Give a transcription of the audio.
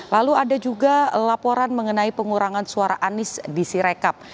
lalu ada juga laporan mengenai pengurangan suara anies di sirekap